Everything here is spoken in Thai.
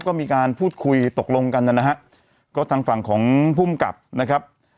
ก็มีการพูดคุยตกลงกันนะฮะก็ทางฝั่งของภูมิกับนะครับ